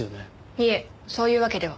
いえそういうわけでは。